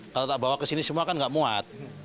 kalau tak bawa ke sini semua kan nggak muat